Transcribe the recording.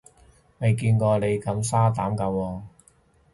未見過你咁鯊膽㗎喎